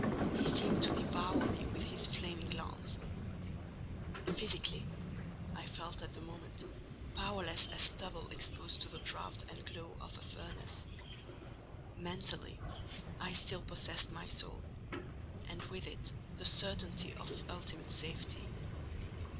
He seemed to devour me with his flaming glance: physically, I felt, at the moment, powerless as stubble exposed to the draught and glow of a furnace: mentally, I still possessed my soul, and with it the certainty of ultimate safety.